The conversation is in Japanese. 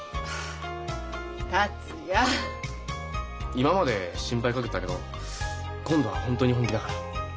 今まで心配かけたけど今度は本当に本気だから。